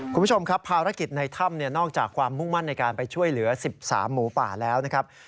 คุณผู้ชมครับภารกิจในถ้ำนอกจากความมุ่งมั่นในการไปช่วยเหลือ๑๓หมูป่าแล้วนะครับ